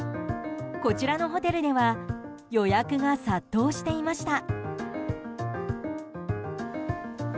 こちらのホテルでは予約が殺到していました。